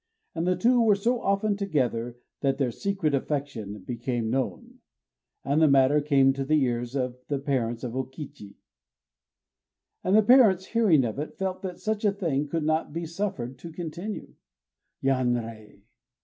And the two were so often together that their secret affection became known; and the matter came to the ears of the parents of O Kichi; and the parents, hearing of it, felt that such a thing could not be suffered to continue. _Yanrei!